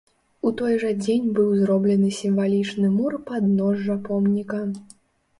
У той жа дзень быў зроблены сімвалічны мур падножжа помніка.